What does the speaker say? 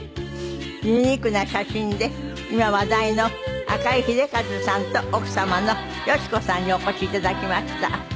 ユニークな写真で今話題の赤井英和さんと奥様の佳子さんにお越し頂きました。